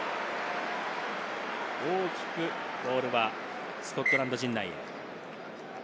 大きくボールがスコットランド陣内。